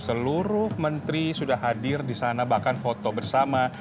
seluruh menteri sudah hadir disana bahkan foto bersama